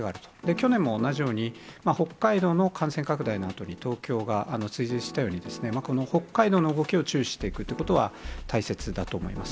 去年も同じように、北海道の感染拡大のあとに東京が追随したようにこの北海道の動きを注視していくということは大切だと思います。